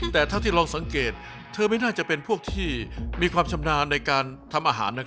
แต่เท่าที่ลองสังเกตเธอไม่น่าจะเป็นพวกที่มีความชำนาญในการทำอาหาร